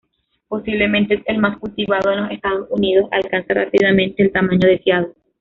Posiblemente es el más cultivado en los Estados Unidos; alcanza rápidamente el tamaño deseado.